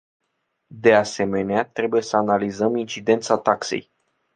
De asemenea, trebuie să analizăm incidența taxei.